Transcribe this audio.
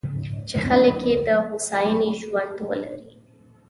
چې خلک یې د هوساینې ژوند ولري.